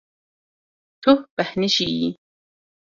Tu bêhnijiyî.